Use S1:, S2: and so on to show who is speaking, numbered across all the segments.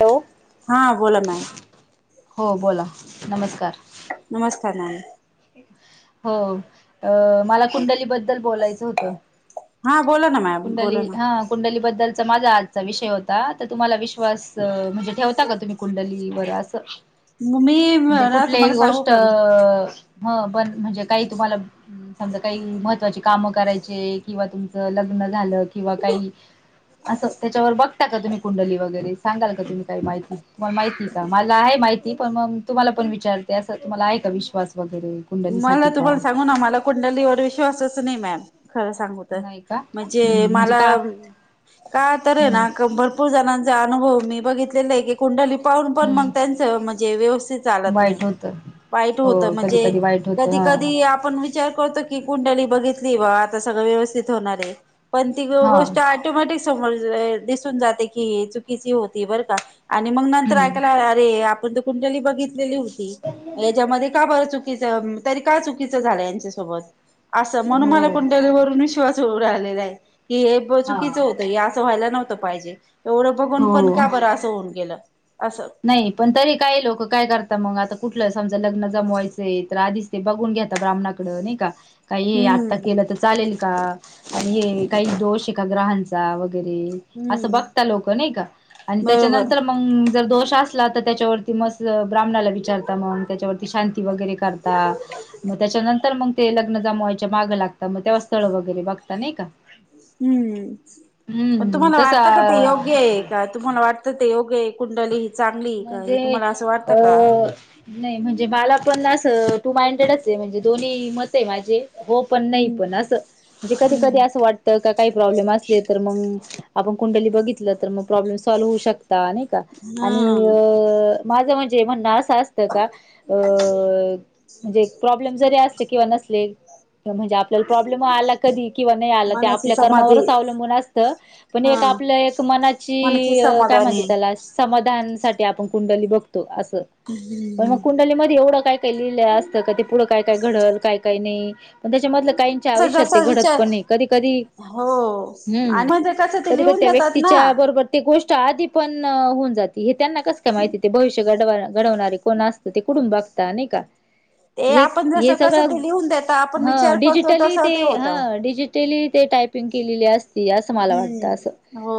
S1: Hello.
S2: हा बोला ma'am.
S1: हो, बोला नमस्कार.
S2: नमस्कार मॅम.
S1: हो अ मला कुंडलीबद्दल बोलायचं होतं.
S2: हा बोला ना मॅम
S1: कुंडली
S2: बोला ना
S1: हा कुंडली. कुंडली बदलचा माझा आजचा विषय होता तर तुम्हांला विश्वास म्हणजे ठेवता का तुम्हीं कुंडलीवर असं
S2: मी
S1: म्हणजे
S2: ना
S1: कुठलीही
S2: तुम्हाला सांगू
S1: गोष्ट
S2: का मॅम,
S1: हं बन म्हणजे कांहीं तुम्हांला समजा कांहीं महत्वाची कामं करायची किंवा तुमचं लग्न लग्न झालं किंवा कांहीं असं त्यांच्यावर बघता का तुम्हीं कुंडली वगैरे सांगाल का तुम्हीं कांहीं माहिती तुम्हांला माहिती का मला आहे. माहिती पणं मंग तुम्हांला पणं विचारते असं तुम्हांला आहे का विश्वास वगैरे
S2: मला
S1: कुंडलीसाठी
S2: तर बरं तू
S1: का
S2: म्हाला सांगू ना मला तर कुंडलीवर विश्वासच नाहीं मॅम खरं सांगू तर
S1: नाही का
S2: म्हणजे
S1: हम्म म्हणजे
S2: मला
S1: का
S2: का तर आहे
S1: हम्म
S2: ना भरपूर जणां अनुभव मी बघितलेला आहे की कुंडली पणं पणं मंग
S1: हम्म
S2: त्याचं म्हणजे व्येवस्थित चालतं नाहीं
S1: वाईट होत
S2: वाईट
S1: हो
S2: होतं
S1: कधी
S2: म्हणजे
S1: कधी वाईट होत
S2: कधी
S1: हा
S2: कधी आपणं विचार करतों की कुंडली बघितली बा आता सगळं व्येवस्थित होणारं आहे पण ती
S1: हा
S2: गोष्ट यॅटोमॅटिक समोर दिसून जाते की हे चुकीची होती बरं का आणि मंग नंतर
S1: हम्म
S2: ऐकायला अरे आपणं तर कुंडली बघितलेली होती यांच्यामध्ये का बर चुक तरी का चूकीच झालं यांच्या सोबत असं म्हणून मला
S1: हो
S2: कुंडली वर विश्वास येत नाही विश्वास होऊ राहिलेला आहे की हे
S1: हा
S2: चुकीचं होतंय हे असं व्हायला नव्हतं पाहिजे एवढं बघून पणं का बरं असं होऊन गेलं असं
S1: नाहीं पणं तरी काय लोक काय करतात मंग आता कुठल्या समाजात जमवाजं लग्नं तर आधीच ते बघून घेता ब्राह्मणांकडे नाहीं कां कांहीं हे
S2: हम्म
S1: आत्ता केलं तर चालेल का आणि हे कांहीं दोष आहे का ग्रहांचा व बरे असं
S2: हम्म
S1: बघतात लोक त्यांच्या
S2: बरोबर
S1: नंतर मंग दोष त्रास लावता त्यांच्या वरती मंग ब्राह्मण विचता मंग त्यांच्या वर मंग शांती वैगैरे करतात मंग त्यांच्यानंतर मंग ते लग्नं जमवायच्या मागे लागतात मंग तेंव्हा स्थळं वगैरे बघता नाहीं कां
S2: हम्म पणं
S1: हम्म
S2: तुम्हांला वाटतं का ते
S1: तसा
S2: योग्य आहे कां तुम्हांला वाटतं ते योग्य है कुंडली चांगली आहे का
S1: म्हणजे
S2: तुम्हाला असं
S1: अ
S2: वाटतं का
S1: नाही म्हणजे मला पण असं टूमाइंड्रेडच आहे म्हणजे दोन्हीं मतं आहे माझे हो पणं नाही
S2: हम्म
S1: पणं असं म्हणजे कधी कधी
S2: हम्म
S1: असं वाटतं का कांहीं प्रॉब्लेम्स असली तर मंग आपणं कुंडली बघितलं तर मंग प्रॉब्लेम्स स्वाल होऊ शकतं का नाही. का आणि
S2: हा
S1: अ माझं म्हणजे म्हण असं असतं कां अ म्हणजे प्रॉब्लेम जरी असले किंवा नसले म्हणजे आपल्याला प्रॉब्लेम केला आला कधी किं नाही, आला ते
S2: मनाची
S1: आपल्या
S2: समाधी
S1: कर्मावर च अवलंबून असतं, पणं आप
S2: हा
S1: एक आपल्या मनाचि
S2: मनाची
S1: जी काय म्हणता
S2: समाधानी
S1: त्याला समत ध्याण साठी आपण कुंडली बघ तो आस पणं मंग कुंडलीमध्ये एवढं काय काय लिहिलं असतं का ते पुढं काय काय घडलं काय काय, नाही पणं त्यांच्यामध्ये काय काहींच्या
S2: जस
S1: आयुष्यात
S2: जसा
S1: ते घडत
S2: विचार
S1: पण नाही कधी, कधी
S2: हो
S1: हम्म.
S2: आणि म्हणजे कसं ते
S1: कधी, कधी
S2: लिहून
S1: त्या
S2: देतात ना
S1: व्यातीच्या त्या बरोबर ते गोष्ट आधी पणं होऊन जाते. हे त्यांना कसं काय माहिती ते भविष्य घडवा, घडवणारे कोण असतं ते कुठून बघता ते नाही कां
S2: ते
S1: हे
S2: आपण
S1: हे
S2: जसं कसं
S1: सगळं
S2: ते लिहून देता आपण
S1: ह
S2: विचार करतो
S1: डिजिटली
S2: तसं
S1: ते
S2: होत
S1: ह डिजिट ते ली टायपिंग केलेलीं असं हे असं मला वाटतं असं
S2: हम्म हो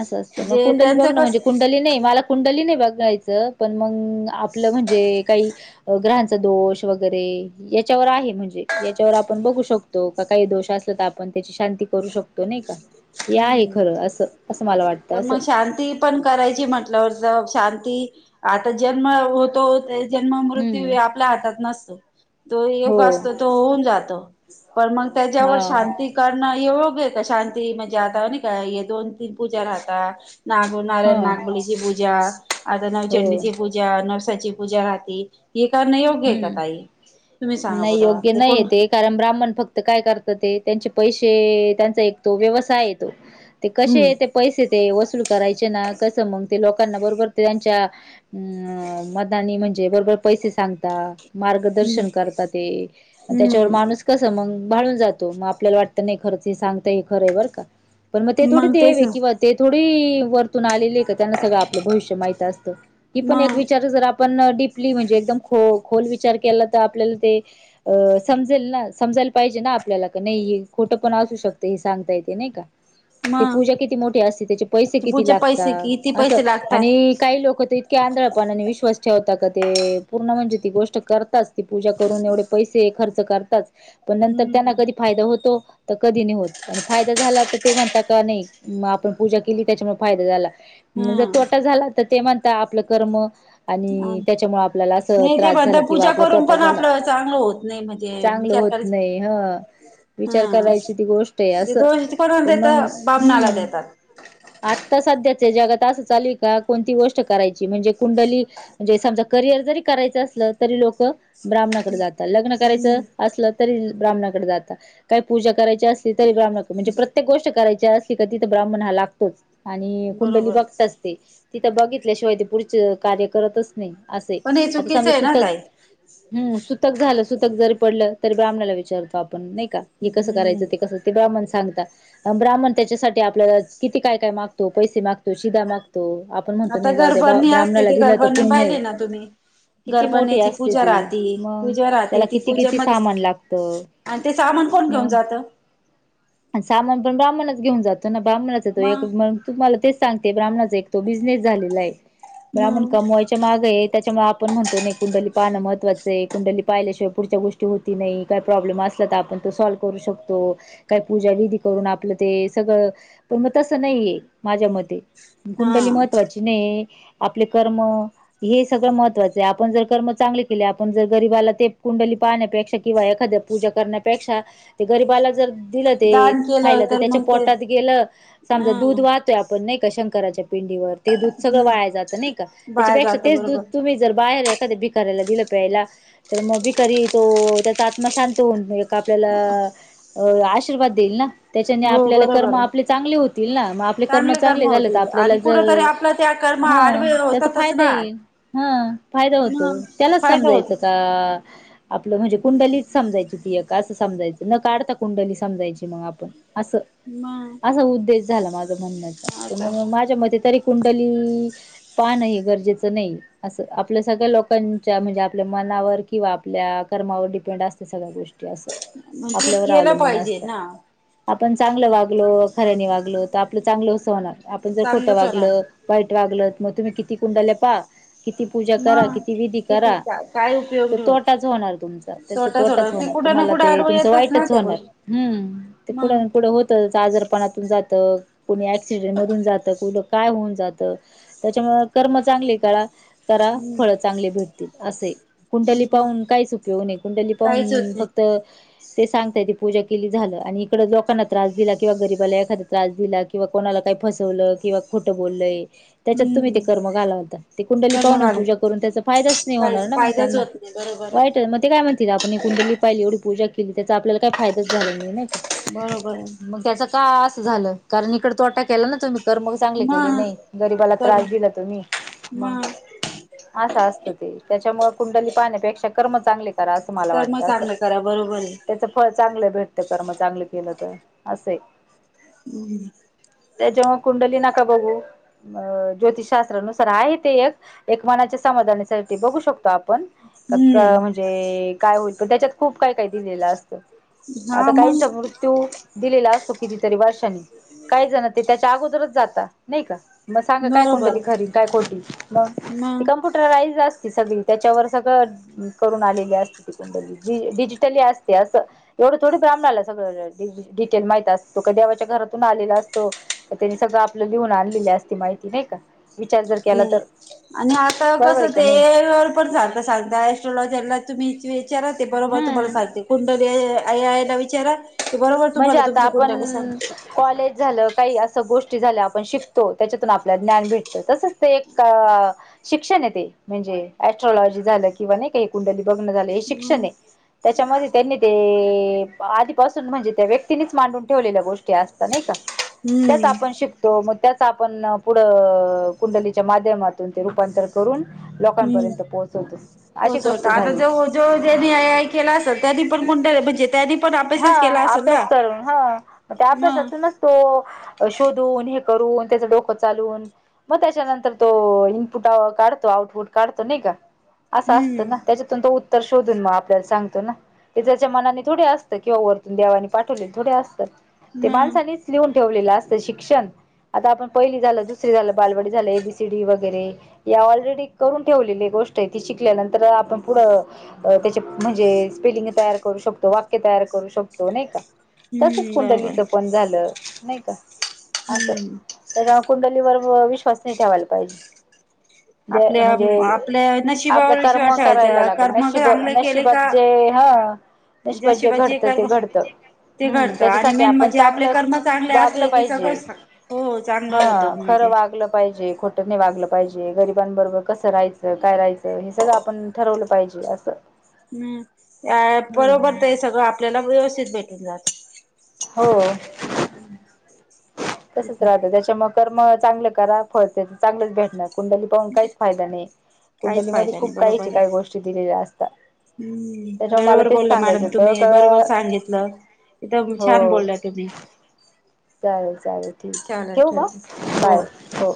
S1: असं असतं मंग कुंडली,
S2: त्यांचं
S1: बघण
S2: कस
S1: म्हणजे कुंडली नाहीं. कुंडली नाही बघायच पणं आपलं म्हणजे काई ग्रहांचं दोष वगैरे यांच्यावर आहे म्हणजे यांच्यावर, आपणं बघू शकतो की कांहीं दोष असलं तर आपणं त्यांची शांती करू शकतो नाहीं कां? याय
S2: हम्म
S1: खरं असं असं मला वाटतं असं
S2: [unintelligible] लगबग शांती आता जन्म होतों. जन्म
S1: हम्म
S2: मृत्यू आपल्या हातात नसतो, तो
S1: हो
S2: योग्य असतों तो होऊन जातो. पणं मंग
S1: हा
S2: त्यांच्यावर शांती करणं योग्य आहे का शांती म्हणजे [unintelligible] त्याहातावर नाही काय हे दोन तीन पूजा राहता नाग
S1: हा
S2: नारायण, नागबलीची पूजा आता
S1: हो
S2: नवचंडीची पूजा नरसाची पूजा राहते. हे करणं योग्य आहे का
S1: हम्म
S2: ताई तुम्ही सांगा
S1: नाही
S2: बरं
S1: योग्य नाहीय
S2: कोण
S1: ते कारण ब्राह्मण फक्त काय करत ते त्यांचे पैसे त्यांचा एक तो व्यवसाय येतो ते कसे
S2: हम्म
S1: ते पैसे ते वसलू करायचे ना कसं मंग ते लोकांना बरोबर ते त्यांच्या अ मदानी म्हणजे बरोबर पैसे सांगता.
S2: हम्म
S1: मार्गदर्शन करता ते म त्याच्यावर
S2: हम्म
S1: माणूस कसा मंग भाळून जातो मग आपल्याला वाटतं, नाही खरंच हे सांगत हे खरं आहे बर का पर मग ते थोडी दे
S2: तेच ना
S1: वेखि व ते थोडी ते वरतून आलेली का त्यांना सगळं आपलं भविष्य माहित असतं. ही पण एक
S2: मग
S1: विचार जर आपण डीपली म्हणजे एकदम खो खोल विचार केला तर आपल्याला ते समजेल ना, समजायला पाहिजे ना आपल्याला नाही. खोटं पण असू शकते हे सांगता येते नाही का? ते
S2: मग
S1: पूजा किती मोठी असते त्याचे पैसे किती
S2: पूचे पैसे किती
S1: लागतात.
S2: पैसे लागतात.
S1: आणि काही लोक तर इतके आंधळ ने विश्वास ठेवता क ते पूर्ण म्हणजे ती गोष्ट करताच ती पूजा करून एवढे पैसे खर्च करताात. पण नंतर त्यांना
S2: हम्म.
S1: कधी फायदा होतो. तर कधी नाही होत. आणि फायदा झाला तर ते म्हणता का नाही म आपण पूजा केली त्याच्यामुळे, फायदा झाला. जर
S2: हम्म.
S1: तोटा झाला तर ते म्हणता आपलं कर्म आणि त्याच्यामुळे आप मला आस
S2: नाही ते
S1: त्रास झाला
S2: म्हणता
S1: किंवा
S2: पूजा
S1: आपला
S2: करून
S1: तोटा
S2: पण
S1: झाला.
S2: आपलं चांगलं होत नाही म्हणजे
S1: चांगलं
S2: विचार
S1: होत
S2: करायच
S1: नाही ह. विचार
S2: हा
S1: करायची ती गोष्ट आहे
S2: जे
S1: असं
S2: दोष कोणाला
S1: पण मंग
S2: देतात बामणाला
S1: हम्म.
S2: देतात.
S1: आता सध्याचे जगात असं चाल का कोणती गोष्ट करायची म्हणजे कुंडली म्हणजे सद करिअर जरी करायचं असलं, तरी लोक ब्राह्मणाकडे जातात लग्न करायचं असलं तरी ब्राह्णाकडे जात काही पूजा कराची असलीरी ब्राह्णाकडे, म्हणजे प्रत्येक गोष्ट करायची क तीथ ब्राह्मण हा लागतोच आणि कुंडली
S2: बरोबर
S1: बगतात स ते तिथं बघितल्याशिवाय ते पुढचे कार्य करतच नाही. असे
S2: पण हे
S1: आता समजा
S2: चुकीचं आहे ना
S1: सुतक
S2: ताई.
S1: हम्म सुतक झालं. सुतक जरी पडलं ब्राह्मणाला विचारतो आपण नाही का हे कसं करायचं
S2: हम्म
S1: ते कसं ते ब्रा्मण सांगतात म ब्राहमण त्याच्यासाठी आपल्याला किती काय काय, मागतो पैसे माग तो शिदाा मागतो. आपण म्हणतो
S2: आता
S1: नाही जाऊद्या
S2: गरबणी असते
S1: ब्राह्मणाला
S2: ते
S1: दिलं तर
S2: गरबणी
S1: पुण्य हे.
S2: पाहिली ना तुम्ही घरबणी ची पूजा राहती.
S1: मग
S2: पूजा राहते
S1: त्याला
S2: ती
S1: किती किती
S2: पूजामध्ये
S1: सामान लागतं
S2: आणि त्याच [unintelligible] कोण घेऊन जात.
S1: असा मधुण सामान पण ब्राह्मणच घेऊन जातो ना ब्राह्मणाचा तो
S2: मग
S1: तुम्हाला तेच सांगते ब्राह्मणाच बिझनेस झालेला आहे ब्रण
S2: मग
S1: कमवायच्या माग त्याच्या आपण म्हणतो नाही कुंडली पाहणं महत्वाचं आहे त्यानी पाहिल्याशिवाय पुढच्या गोष्टी होती नाही काही प्रॉब्लेम असला तरणो सलल्व करू शकतो का पूा विधी करून आपलं ते सगळं पण मग तसं नाहीये माझ्या म
S2: हा
S1: कुंडली महत्त्वाची नाही आपले कर्म हे सगळं महत्वाचं आहे आपण जर कर्म चांगले केले आपण जर गरीिबाला ते कुंडली पाहण्यापेक्षा किंवा एखाद्या पूजा त्यानां पेक्षा गररीबाला जर दिलं ते
S2: दान केलं
S1: खायला तर त्याच्या
S2: मग ते
S1: पोटात गेलं समजा दूध
S2: अ
S1: वाजले ते आपण नाही का शंकराच्या जुली वरती दूध सगळं वाया
S2: हम्म
S1: जातं नाही का
S2: बाळ
S1: त्याच्यापेक्षा
S2: जात
S1: तेच दूध
S2: बरोबर
S1: तुम्ही जर बाहेर एखाद्या भिकारला दिलं प्यायला तर मग भिकारी तो त्याचा आत्मा शांत होऊन ला अ आशीर्वाद देईल ना त्याच्याने
S2: हो
S1: आपल्याला कर्म
S2: बरोबर आहे
S1: आपले चांगले होतील ना मग आपले कर्म चांगले झाले तर
S2: होतील
S1: आपल्याला
S2: आणि कुठ तरी
S1: जर
S2: आपला त्या कर्म
S1: हा
S2: आडवे
S1: त्याचा
S2: होतातच
S1: फायदा
S2: ना
S1: येईल हा फायदा होतो
S2: मग
S1: त्यालाच
S2: फायदा होत
S1: समजायचं का काही येकु येत नाही आपलं म्हणजे कुंडलीच समजायची तीय का असं समजायचं न काढता कुंडली समजायची मग आपण असं असा उद्देश झाला माझ म्हणण्याचा
S2: अच्छा
S1: मग माझ्या मते तरी कुंडली पान हे गरजेचं नाही असं आपल सगळ्या लोकांच्या म्हणजे आपल्या मनावर किंवा आपल्या कर्मावर डिपेंड असते सगळ्या गोष्टी [inaudible]
S2: म्हणजे
S1: आपल्यावर
S2: केलं
S1: अवलंबून
S2: पाहिजे
S1: असत
S2: ना
S1: आपण चांगलं वागलो खऱ्यानी वागलो तर आपलं चांगलंच होणार आपण जर खोटं
S2: चांगलंच होणार
S1: वागलं वाईट वागल मग तुम्ही किती कुंडल्या पा किती पूजा करा
S2: मग
S1: किती विधी
S2: किती
S1: करा
S2: काय उपयोग
S1: तर
S2: नाही होत
S1: तोटाच होणार तुमचा त्याचा तोटाच
S2: ते
S1: होणार
S2: कुठं ना
S1: तुम्हाला
S2: कुठं
S1: ते
S2: आडवं
S1: तुमचं
S2: येतच ना
S1: वाईटच
S2: त्या
S1: होणार
S2: गोष्टी
S1: हम्म ते कुठं
S2: मग
S1: ना कुठं होतं आजरपणातून जातं कोणी ऍक्सिडेंट मधून जात कुट काय होऊन जातं त्याच्यामुळ कर्म चांगली कारा करा फळ
S2: हम्म
S1: चांगले भेटतील असे कुंडली
S2: मग
S1: पाहून काहीच उपयोग नाही कुंडली
S2: काहीच
S1: पाहून
S2: होत नाही
S1: फक्त [inaudible] ते सांगता [inaudible] पूजा केली झालं आणि इकडं लोकांना त्रास दिला किंवा गरीबाला एखादा त्रास दिला किंवा कोणाला काही फसवलं किंवा खोटं बोलय त्याच्यात तुम्ही
S2: हम्म
S1: ते कर्म [inaudible] घाला होता ते कुंडली
S2: कर्म
S1: पवनम
S2: काढून
S1: पूजा करून त्याचा फायदाच नाही होणार
S2: काहीच
S1: ना मग
S2: फायदाच
S1: त्यांना
S2: होत नाही बरोबर
S1: वाईट
S2: आहे
S1: मग ते काय [inaudible] म्हणतील आपण कुंडली पाहिली एवढी पूजा केली त्याचा आपल्याला काही फायदाच झाला नाही
S2: बरोबर आहे
S1: मग त्याच काय असं झालं कारण इकड तो तोटा केला ना तुमी तर मग चांगले केले
S2: मग
S1: नाही गरीबाला
S2: कर्म
S1: त्रास दिला तुम्ही मग आस असतं ते त्याच्यामुळे कुंडली पाहण्यापेक्षा कर्म चांगले करा अस मला
S2: कर्म
S1: वाटत अस
S2: चांगलं करा बरोबर आहे.
S1: त्याच फळ चांगलं भेटत कर्म चांगलं केलं तर असेय
S2: हम्
S1: त्याच्यामुळे कुंडली नाका बघू अ ज्योतिषशास्त्रानुसार आहे ते एक एक मनाच्या समाधानासाठी बघू शकतो आपण [inaudible] -
S2: हम्म
S1: म्हणजे काय होईल पण त्याच्यात खूप काय काय दिलेलं असत आता
S2: हा मग
S1: काहींचा मृत्यू दिलेला असतो कितीतरी वर्षांनी काही जण ते त्याच्या अगोदरच जाता नाही का मग सांगा काय
S2: बरोबर
S1: कुंडली खरी काय खोटी मग ती
S2: मग
S1: कम्प्युटराईज अस [inaudible] त्याच्यावर सगळ करून आलेली [inaudible] अस तीं कुंडली डिजिटली असते अस थोडं थोडं ब्राहमणाला सगळ डिटेल माह असतो का देवाच्या घातून आलेला असतोनी सग आपलं लिहून आणलेली असते माहिती नाही का विचार जर केला
S2: आणि
S1: तर
S2: [inaudible]
S1: बरोबर आहे
S2: कसं
S1: का
S2: ते
S1: नाही
S2: पण सां सांगता स्ट्रलॉजला तुम्ही विचारा ते बरोबर तुम्हाला
S1: हम्म
S2: सांगते कुंडली [inaudible] -आयला विचारा ते बरोबर
S1: म्हणजे
S2: तुम्हाला
S1: आता
S2: तुमची
S1: आपण
S2: कुंडली सांग
S1: कॉलेज झाल काइ असं गोष्टी झाल्या आपण शिकतो त्याच्यातून आपल्याला ज्ञान भेटत तसच ते एक -शिक्ष [inaudible] म्हणजे एस्ट्रोलॉजी झालं किंवा नाही काइ कुंडली बघ झा
S2: हम्म
S1: शिक्षण आहे त्याच्यामध्ये त्यांनी ते- आधीपासून म्हणजे त्या व्यक्तीनींच मांडून ठेवलेल्या गोष्टी असतात नइ का त्यात आपण शिकतो मग त्याच आपण पुढं-कुंडलीच्या माध्यमातून ते रूपांतर करून लोकांपर्यंत पोहोचतो
S2: पोहोचवत आता जो जो जनी आय आय केला असेल त्यानी पण कोण म्हणजे त्यांनीण
S1: [unintelligible] हा अभ्यास करून हा त्या
S2: मग
S1: अभ्यासातूनच तो शोधून हे करून त्याचं डोकं चालून मग त्याच्यानंतर तो इनपुट काढतो आउटपुट काढतो नाही का असं असतं
S2: हम्म
S1: ना त्याच्यातून तो उत्तर शोधून मग आपल्याला सांगतो ना ते त्याच्या मनाने थोडी अस किंवा वरतून देवानी पाठवलेले थोडे असतात ते
S2: मग
S1: माणसाांनीच लिहून ठेवलेलं असतं शिक्षण आता आपण पहिली झालं दुसरी झालं बालवाडी झालं एबीसीडी वगैरे या ऑलरेडी करून ठेवलेले ल्यानंतर आपण पुढ त्या म्हणजे स्पेलिंग तयार करू शकतो्य तयार करू शकतो नाही का तसच
S2: हम्म बरोबर
S1: कुंडलीच पण झालं नाही असं
S2: हम्म
S1: त्याच्या कुंडलीवर विश्वास नाही ठेवायला पाहिजे
S2: आपल्या
S1: म्हणजे-म्हणजे
S2: आपल्या
S1: आपल्या
S2: नशिबावर
S1: कर्म
S2: विश्वास
S1: करायला
S2: ठेवायचा
S1: लागेल
S2: कर्म
S1: नशिब
S2: चांगले केले
S1: नशिबात
S2: का
S1: जे [unintelligible] हा निष्प जे
S2: ज्याशिवाय
S1: घडत ते
S2: कर्म
S1: घडत
S2: ते
S1: हम्म
S2: घडतं आणि
S1: त्याच्यासाठी
S2: मेन
S1: आपण
S2: म्हणजे आपले
S1: चांगलं
S2: कर्म चांगले
S1: वागलं
S2: असले की
S1: पाहिजे
S2: सगळं हो चांगलं
S1: हा
S2: होतं
S1: ख
S2: म्हणजे
S1: वागलं पाहिजे खोट नाही वागलं पाहिजे गरिबांन बरोबर कसं राहायचं काय राहायचं हे सगळं आपण ठरवलं पाहिजे असं
S2: हम्म
S1: हम्म
S2: बरोबर ते हे सगळं आपल्याला व्यवस्थित भेटून जात
S1: हो
S2: हम्म
S1: तसच राहतं त्याच्या म कर्म चांगलं करा फळते चांगलंच भेटणार कुंडली पाहून काहीच फायदा नाही
S2: काहीच
S1: कुंडलीमध्येध्ये
S2: फायदा नाही
S1: खूप
S2: बरोबर
S1: काही
S2: आहे
S1: काही गोष्टी दिलेल्या असत
S2: हम्म बरोबर बोलल मॅडम
S1: सांगायचं होतं
S2: तुम्ही बरोबर
S1: का
S2: सांगितलं एकथ छान
S1: हो
S2: बोलला तुम्ही
S1: चालेल चालेल ठीक
S2: चालेल
S1: आहे ठवऊ
S2: ठेव
S1: म
S2: हो
S1: बाय हो